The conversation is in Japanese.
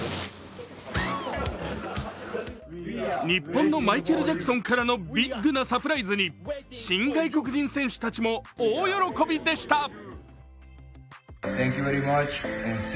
日本のマイケル・ジャクソンからのビッグなサプライズに、新外国人選手たちも大喜びでした。